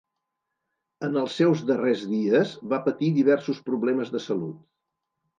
En els seus darrers dies va patir diversos problemes de salut.